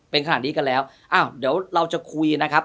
เป็นขนาดนี้กันแล้วอ้าวเดี๋ยวเราจะคุยนะครับ